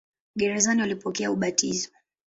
Gerezani walipokea ubatizo.